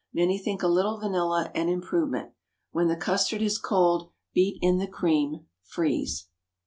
Many think a little vanilla an improvement. When the custard is cold, beat in the cream. Freeze.